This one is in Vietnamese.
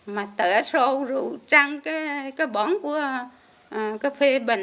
mà tở sâu rồi trăng cái bóng của cà phê bình